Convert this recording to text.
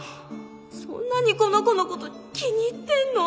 そんなにこの子のこと気に入ってんの？